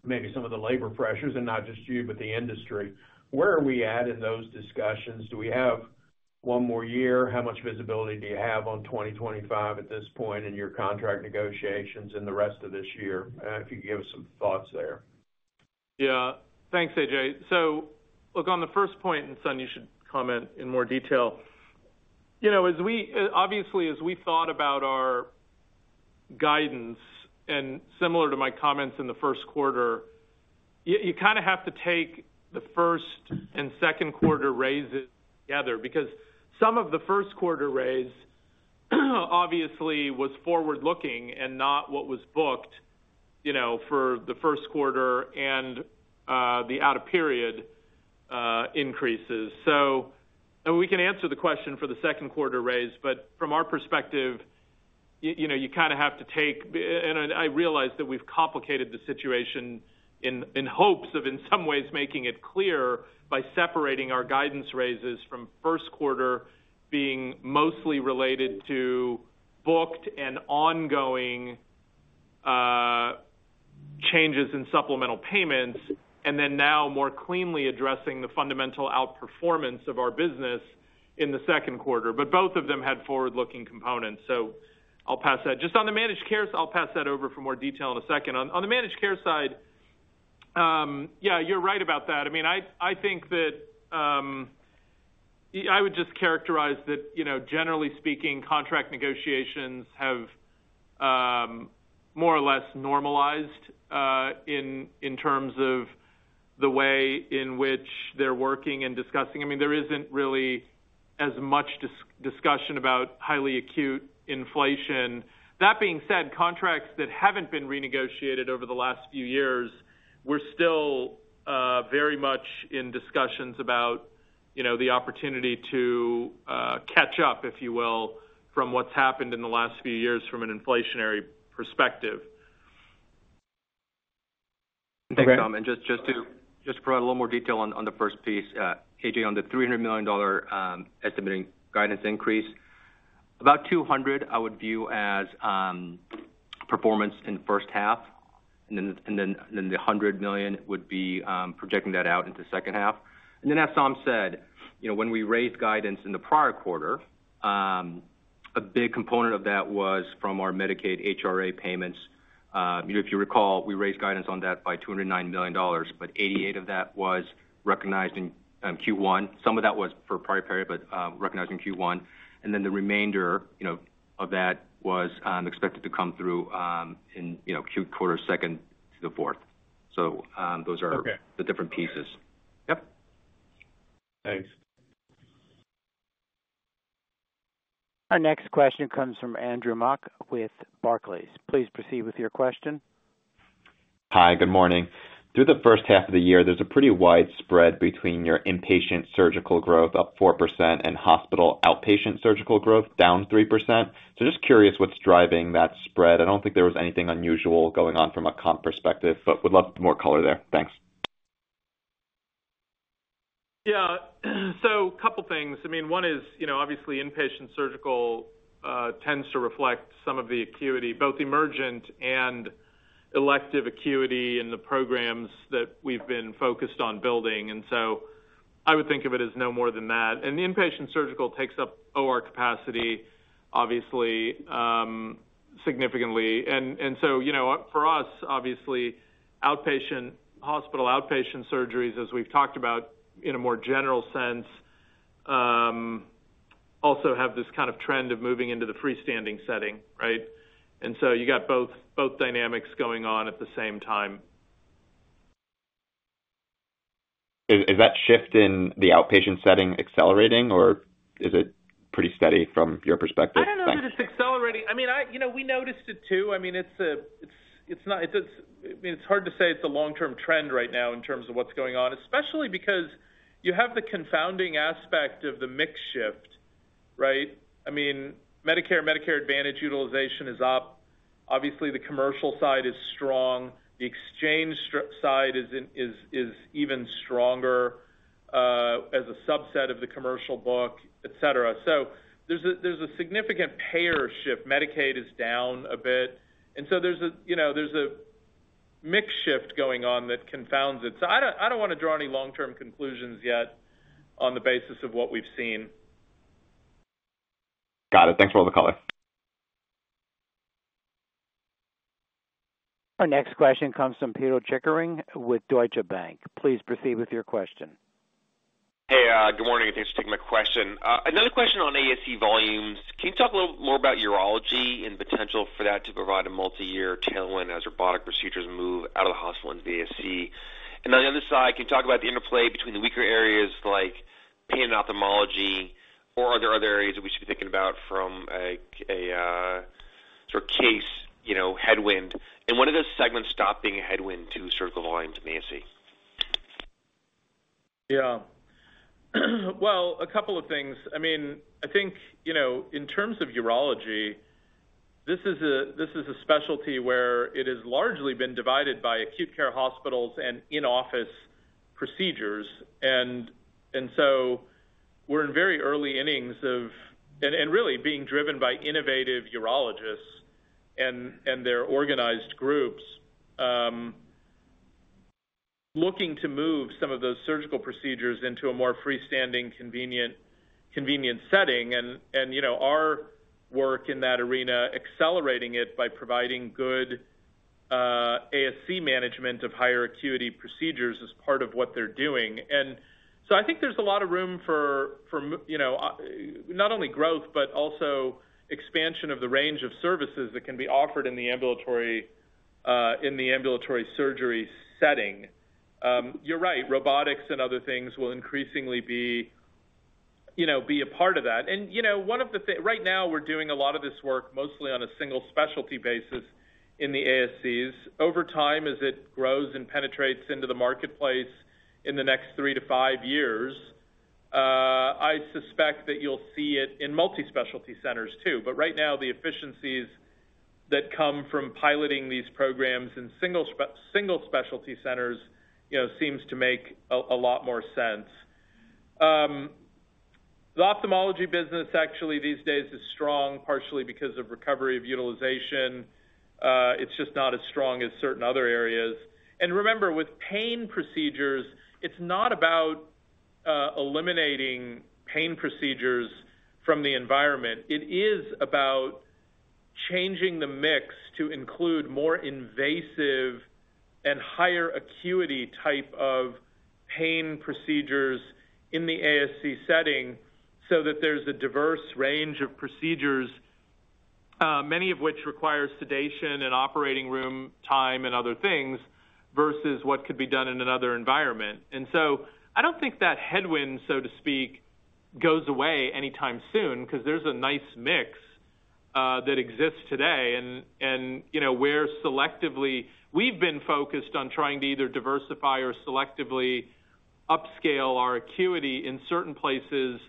maybe some of the labor pressures and not just you, but the industry. Where are we at in those discussions? Do we have one more year? How much visibility do you have on 2025 at this point in your contract negotiations and the rest of this year? If you could give us some thoughts there. Yeah. Thanks, A.J. So, look, on the first point, and, Sun, you should comment in more detail. You know, obviously, as we thought about our guidance, and similar to my comments in the first quarter, you kind of have to take the first and second quarter raises together because some of the first quarter raise obviously was forward-looking and not what was booked, you know, for the first quarter and the out-of-period increases. So, and we can answer the question for the second quarter raise, but from our perspective, you know, you kind of have to take, and I realize that we've complicated the situation in hopes of, in some ways, making it clear by separating our guidance raises from first quarter being mostly related to booked and ongoing changes in supplemental payments, and then now more cleanly addressing the fundamental outperformance of our business in the second quarter. But both of them had forward-looking components. So I'll pass that. Just on the managed care, I'll pass that over for more detail in a second. On the managed care side, yeah, you're right about that. I mean, I think that I would just characterize that, you know, generally speaking, contract negotiations have more or less normalized in terms of the way in which they're working and discussing. I mean, there isn't really as much discussion about highly acute inflation. That being said, contracts that haven't been renegotiated over the last few years were still very much in discussions about, you know, the opportunity to catch up, if you will, from what's happened in the last few years from an inflationary perspective. Thanks, Saum. And just to provide a little more detail on the first piece, A.J., on the $300 million estimating guidance increase, about $200 million I would view as performance in the first half. And then the $100 million would be projecting that out into the second half. And then, as Saum said, you know, when we raised guidance in the prior quarter, a big component of that was from our Medicaid HRA payments. If you recall, we raised guidance on that by $209 million, but $88 million of that was recognized in Q1. Some of that was for prior period, but recognized in Q1. And then the remainder, you know, of that was expected to come through in, you know, second quarter to the fourth. So those are the different pieces. Yep. Thanks. Our next question comes from Andrew Mok with Barclays. Please proceed with your question. Hi. Good morning. Through the first half of the year, there's a pretty wide spread between your inpatient surgical growth up 4% and hospital outpatient surgical growth down 3%. So just curious what's driving that spread? I don't think there was anything unusual going on from a comp perspective, but would love more color there. Thanks. Yeah. So a couple of things. I mean, one is, you know, obviously, inpatient surgical tends to reflect some of the acuity, both emergent and elective acuity in the programs that we've been focused on building. And so I would think of it as no more than that. And the inpatient surgical takes up OR capacity, obviously, significantly. And so, you know, for us, obviously, outpatient hospital outpatient surgeries, as we've talked about in a more general sense, also have this kind of trend of moving into the freestanding setting, right? And so you got both dynamics going on at the same time. Is that shift in the outpatient setting accelerating, or is it pretty steady from your perspective? I don't know that it's accelerating. I mean, you know, we noticed it too. I mean, it's not, I mean, it's hard to say it's a long-term trend right now in terms of what's going on, especially because you have the confounding aspect of the mix shift, right? I mean, Medicare, Medicare Advantage utilization is up. Obviously, the commercial side is strong. The exchange side is even stronger as a subset of the commercial book, et cetera. So there's a significant payer shift. Medicaid is down a bit. And so there's a, you know, there's a mix shift going on that confounds it. So I don't want to draw any long-term conclusions yet on the basis of what we've seen. Got it. Thanks for all the color. Our next question comes from Pito Chickering with Deutsche Bank. Please proceed with your question. Hey, good morning. Thanks for taking my question. Another question on ASC volumes. Can you talk a little more about urology and the potential for that to provide a multi-year tailwind as robotic procedures move out of the hospital into the ASC? And on the other side, can you talk about the interplay between the weaker areas like pain and ophthalmology, or are there other areas that we should be thinking about from a sort of case, you know, headwind? And when did those segments stop being a headwind to surgical volumes in the ASC? Yeah. Well, a couple of things. I mean, I think, you know, in terms of urology, this is a specialty where it has largely been divided by acute care hospitals and in-office procedures. And so we're in very early innings of, and really being driven by innovative urologists and their organized groups looking to move some of those surgical procedures into a more freestanding, convenient setting. And, you know, our work in that arena, accelerating it by providing good ASC management of higher acuity procedures is part of what they're doing. And so I think there's a lot of room for, you know, not only growth, but also expansion of the range of services that can be offered in the ambulatory surgery setting. You're right. Robotics and other things will increasingly be, you know, be a part of that. You know, one of the things right now, we're doing a lot of this work mostly on a single specialty basis in the ASCs. Over time, as it grows and penetrates into the marketplace in the next 3-5 years, I suspect that you'll see it in multi-specialty centers too. But right now, the efficiencies that come from piloting these programs in single specialty centers, you know, seems to make a lot more sense. The ophthalmology business, actually, these days is strong partially because of recovery of utilization. It's just not as strong as certain other areas. Remember, with pain procedures, it's not about eliminating pain procedures from the environment. It is about changing the mix to include more invasive and higher acuity type of pain procedures in the ASC setting so that there's a diverse range of procedures, many of which require sedation and operating room time and other things versus what could be done in another environment. So I don't think that headwind, so to speak, goes away anytime soon because there's a nice mix that exists today. You know, where selectively we've been focused on trying to either diversify or selectively upscale our acuity in certain places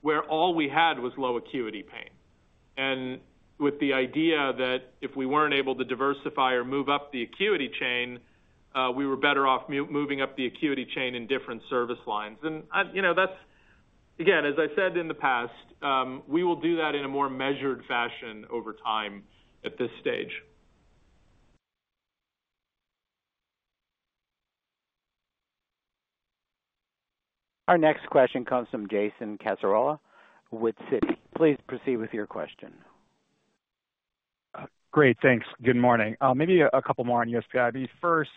where all we had was low acuity pain. With the idea that if we weren't able to diversify or move up the acuity chain, we were better off moving up the acuity chain in different service lines. You know, that's, again, as I said in the past, we will do that in a more measured fashion over time at this stage. Our next question comes from Jason Cassorla with Citi. Please proceed with your question. Great. Thanks. Good morning. Maybe a couple more on USPI. The first,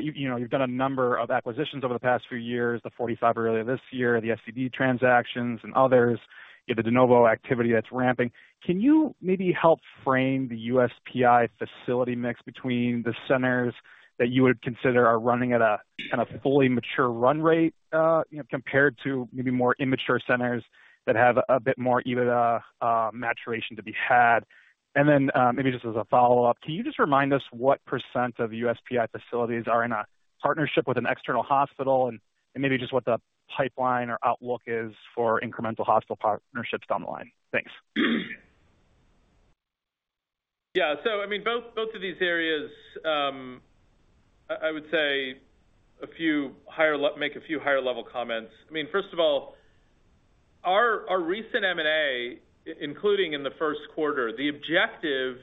you know, you've done a number of acquisitions over the past few years, the 45 earlier this year, the SCD transactions and others, you have the de novo activity that's ramping. Can you maybe help frame the USPI facility mix between the centers that you would consider are running at a kind of fully mature run rate, you know, compared to maybe more immature centers that have a bit more even maturation to be had? And then maybe just as a follow-up, can you just remind us what percent of USPI facilities are in a partnership with an external hospital and maybe just what the pipeline or outlook is for incremental hospital partnerships down the line? Thanks. Yeah. So, I mean, both of these areas, I would say a few higher level comments. I mean, first of all, our recent M&A, including in the first quarter, the objective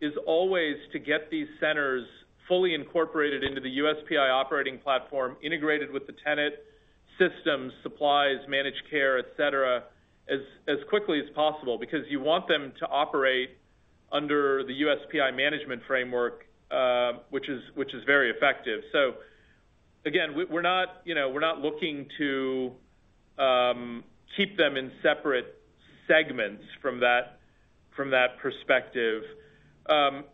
is always to get these centers fully incorporated into the USPI operating platform, integrated with the Tenet systems, supplies, managed care, et cetera, as quickly as possible because you want them to operate under the USPI management framework, which is very effective. So, again, we're not, you know, we're not looking to keep them in separate segments from that perspective.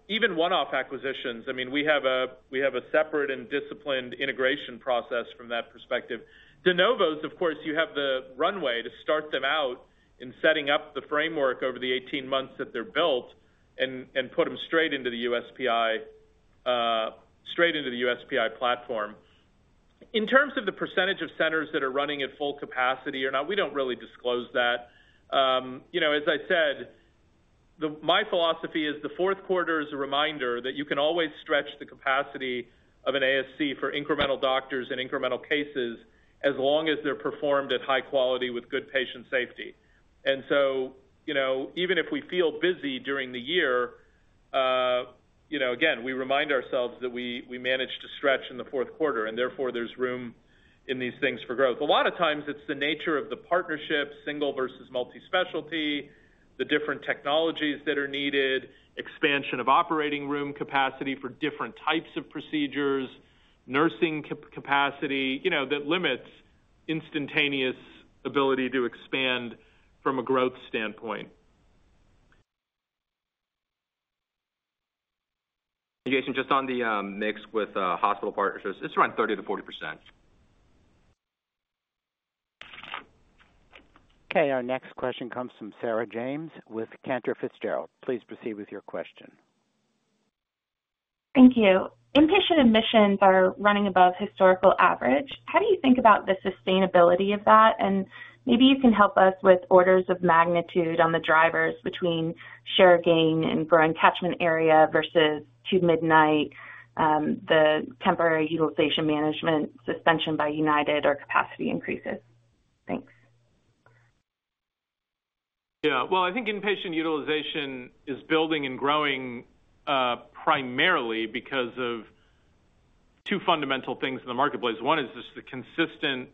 Even one-off acquisitions, I mean, we have a separate and disciplined integration process from that perspective. De novos, of course, you have the runway to start them out in setting up the framework over the 18 months that they're built and put them straight into the USPI, straight into the USPI platform. In terms of the percentage of centers that are running at full capacity or not, we don't really disclose that. You know, as I said, my philosophy is the fourth quarter is a reminder that you can always stretch the capacity of an ASC for incremental doctors and incremental cases as long as they're performed at high quality with good patient safety. And so, you know, even if we feel busy during the year, you know, again, we remind ourselves that we managed to stretch in the fourth quarter and therefore there's room in these things for growth. A lot of times it's the nature of the partnership, single versus multi-specialty, the different technologies that are needed, expansion of operating room capacity for different types of procedures, nursing capacity, you know, that limits instantaneous ability to expand from a growth standpoint. Jason, just on the mix with hospital partnerships, it's around 30%-40%. Okay. Our next question comes from Sarah James with Cantor Fitzgerald. Please proceed with your question. Thank you. Inpatient admissions are running above historical average. How do you think about the sustainability of that? And maybe you can help us with orders of magnitude on the drivers between share gain and growing catchment area versus Two-Midnight, the temporary utilization management suspension by United or capacity increases? Thanks. Yeah. Well, I think inpatient utilization is building and growing primarily because of two fundamental things in the marketplace. One is just the consistent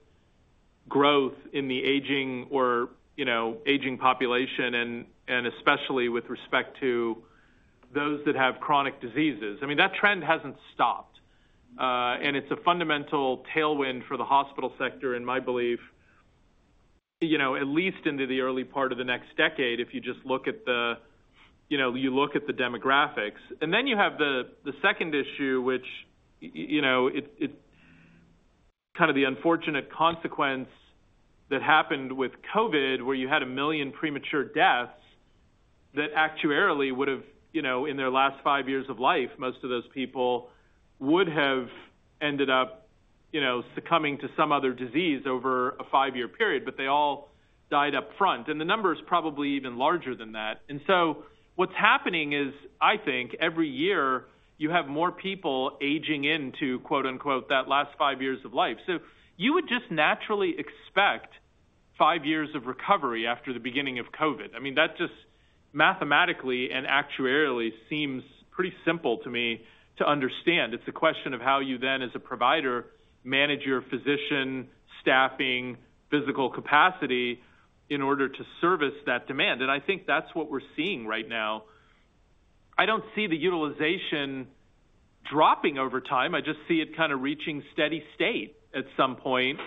growth in the aging or, you know, aging population and especially with respect to those that have chronic diseases. I mean, that trend hasn't stopped. And it's a fundamental tailwind for the hospital sector in my belief, you know, at least into the early part of the next decade if you just look at the, you know, you look at the demographics. And then you have the second issue, which, you know, it's kind of the unfortunate consequence that happened with COVID where you had a million premature deaths that actuarially would have, you know, in their last five years of life, most of those people would have ended up, you know, succumbing to some other disease over a five-year period, but they all died upfront. The number is probably even larger than that. So what's happening is, I think every year you have more people aging into "that last five years of life." You would just naturally expect five years of recovery after the beginning of COVID. I mean, that just mathematically and actuarially seems pretty simple to me to understand. It's a question of how you then, as a provider, manage your physician, staffing, physical capacity in order to service that demand. I think that's what we're seeing right now. I don't see the utilization dropping over time. I just see it kind of reaching steady state at some point.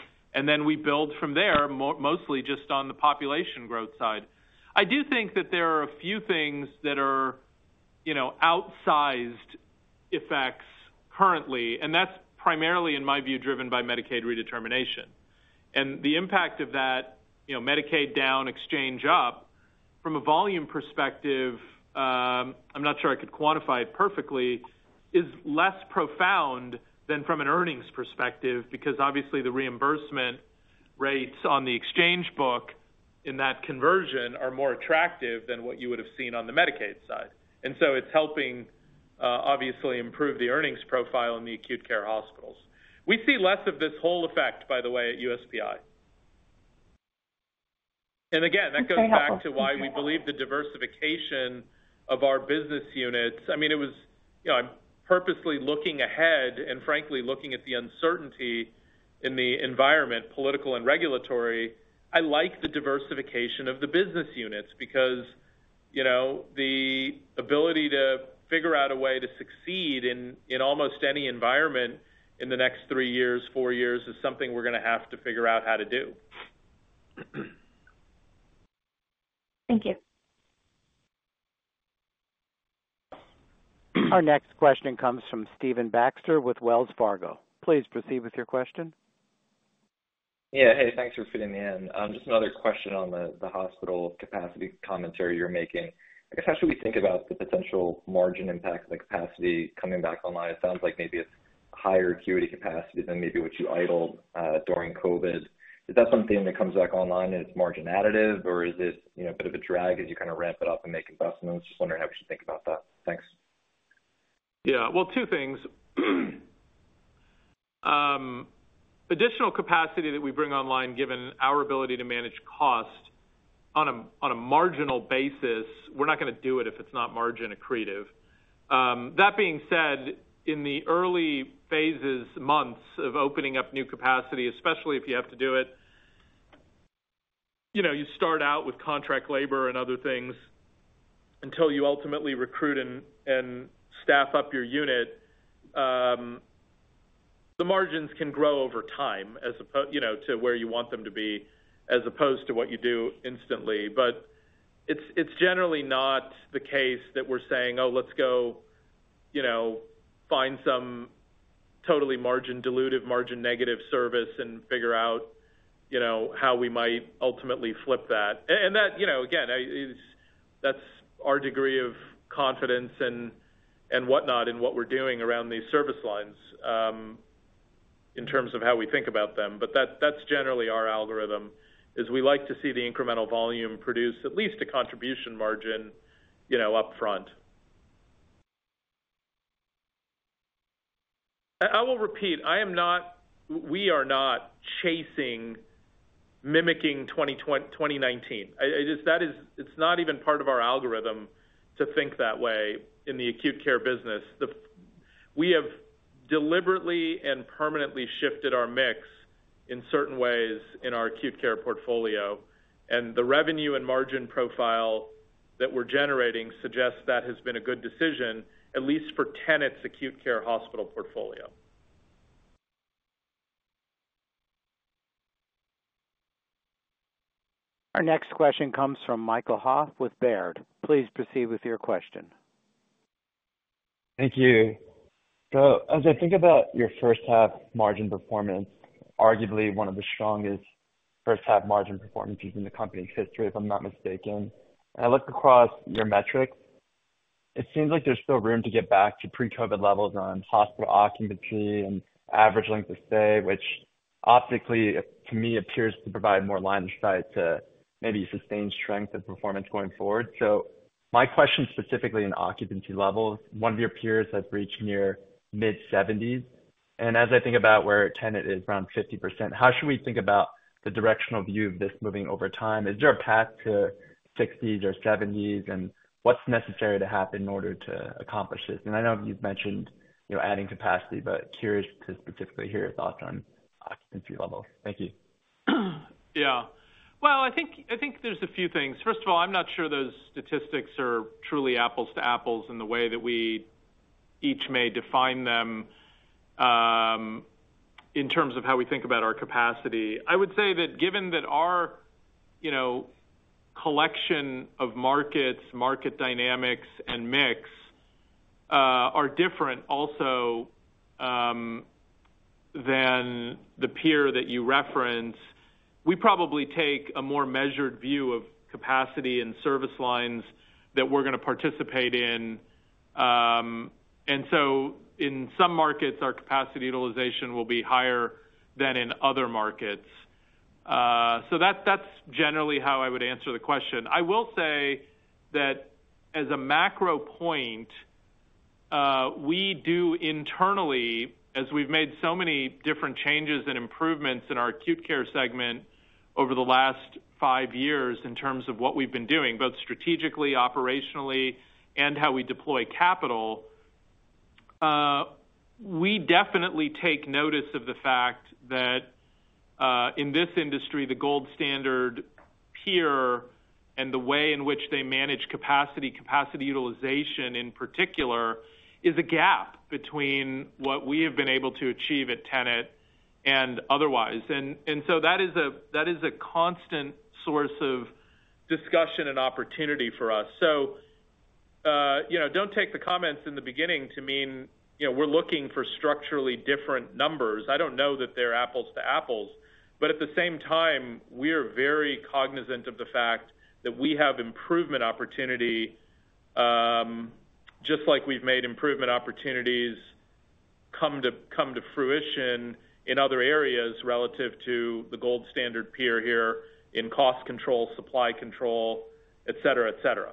Then we build from there, mostly just on the population growth side. I do think that there are a few things that are, you know, outsized effects currently. That's primarily, in my view, driven by Medicaid redetermination. The impact of that, you know, Medicaid down, exchange up, from a volume perspective, I'm not sure I could quantify it perfectly, is less profound than from an earnings perspective because obviously the reimbursement rates on the exchange book in that conversion are more attractive than what you would have seen on the Medicaid side. And so it's helping, obviously, improve the earnings profile in the acute care hospitals. We see less of this whole effect, by the way, at USPI. And again, that goes back to why we believe the diversification of our business units. I mean, it was, you know, I'm purposely looking ahead and frankly looking at the uncertainty in the environment, political and regulatory. I like the diversification of the business units because, you know, the ability to figure out a way to succeed in almost any environment in the next three years, four years is something we're going to have to figure out how to do. Thank you. Our next question comes from Stephen Baxter with Wells Fargo. Please proceed with your question. Yeah. Hey, thanks for fitting me in. Just another question on the hospital capacity commentary you're making. I guess how should we think about the potential margin impact of the capacity coming back online? It sounds like maybe it's higher acuity capacity than maybe what you idled during COVID. Is that something that comes back online and it's margin additive, or is it, you know, a bit of a drag as you kind of ramp it up and make investments? Just wondering how we should think about that. Thanks. Yeah. Well, two things. Additional capacity that we bring online, given our ability to manage cost on a marginal basis, we're not going to do it if it's not margin accretive. That being said, in the early phases, months of opening up new capacity, especially if you have to do it, you know, you start out with contract labor and other things until you ultimately recruit and staff up your unit. The margins can grow over time, as opposed, you know, to where you want them to be, as opposed to what you do instantly. But it's generally not the case that we're saying, "Oh, let's go, you know, find some totally margin dilutive, margin negative service and figure out, you know, how we might ultimately flip that." And that, you know, again, that's our degree of confidence and whatnot in what we're doing around these service lines in terms of how we think about them. But that's generally our algorithm is we like to see the incremental volume produce at least a contribution margin, you know, upfront. I will repeat, I am not, we are not chasing, mimicking 2019. That is, it's not even part of our algorithm to think that way in the acute care business. We have deliberately and permanently shifted our mix in certain ways in our acute care portfolio. The revenue and margin profile that we're generating suggests that has been a good decision, at least for Tenet's acute care hospital portfolio. Our next question comes from Michael Ha with Baird. Please proceed with your question. Thank you. So as I think about your first half margin performance, arguably one of the strongest first half margin performances in the company's history, if I'm not mistaken. I look across your metrics, it seems like there's still room to get back to pre-COVID levels on hospital occupancy and average length of stay, which optically, to me, appears to provide more line of sight to maybe sustained strength of performance going forward. My question specifically in occupancy levels, one of your peers had reached near mid-70s. As I think about where Tenet is, around 50%, how should we think about the directional view of this moving over time? Is there a path to 60s or 70s? What's necessary to happen in order to accomplish this? I know you've mentioned, you know, adding capacity, but curious to specifically hear your thoughts on occupancy levels? Thank you. Yeah. Well, I think there's a few things. First of all, I'm not sure those statistics are truly apples to apples in the way that we each may define them in terms of how we think about our capacity. I would say that given that our, you know, collection of markets, market dynamics, and mix are different also than the peer that you reference, we probably take a more measured view of capacity and service lines that we're going to participate in. And so in some markets, our capacity utilization will be higher than in other markets. So that's generally how I would answer the question. I will say that as a macro point, we do internally, as we've made so many different changes and improvements in our acute care segment over the last five years in terms of what we've been doing, both strategically, operationally, and how we deploy capital, we definitely take notice of the fact that in this industry, the gold standard peer and the way in which they manage capacity, capacity utilization in particular, is a gap between what we have been able to achieve at Tenet and otherwise. And so that is a constant source of discussion and opportunity for us. So, you know, don't take the comments in the beginning to mean, you know, we're looking for structurally different numbers. I don't know that they're apples to apples. But at the same time, we're very cognizant of the fact that we have improvement opportunity, just like we've made improvement opportunities come to fruition in other areas relative to the gold standard peer here in cost control, supply control, et cetera, et cetera.